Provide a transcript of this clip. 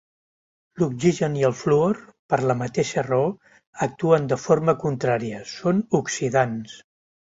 L'oxigen i el fluor, per la mateixa raó, actuen de forma contrària, són oxidants.